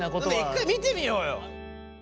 一回見てみようよ。